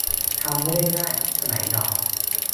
ทำไม่ได้ง่าย ไฉนหนอ